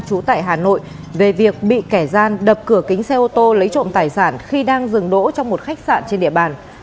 trú tại hà nội về việc bị kẻ gian đập cửa kính xe ô tô lấy trộm tài sản khi đang dừng đỗ trong một khách sạn trên địa bàn